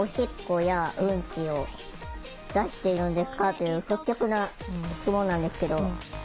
という率直な質問なんですけど。